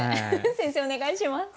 先生お願いします。